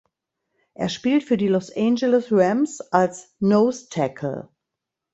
Er spielt für die Los Angeles Rams als Nose Tackle.